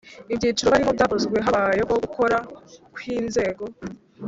ibyiciro barimo byakozwe habayeho gukoraa kw’inzego